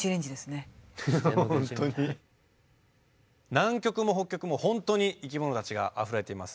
南極も北極も本当に生きものたちがあふれています。